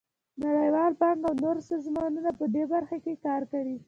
نړیوال بانک او نور سازمانونه په دې برخه کې کار کوي.